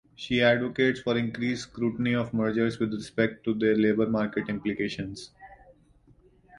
She advocates for increased scrutiny of mergers with respect to their labor market implications.